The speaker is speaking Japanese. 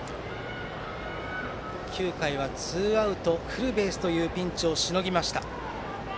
９回はツーアウトフルベースというピンチをしのぎました。